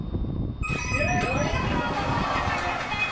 お見事５ポイント獲得です。